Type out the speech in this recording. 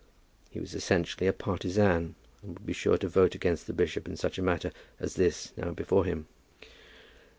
He was essentially a partisan, and would be sure to vote against the bishop in such a matter as this now before him.